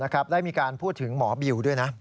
ได้มีการพูดถึงหมอบิวด้วยนะ